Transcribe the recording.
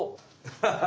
アハハハ！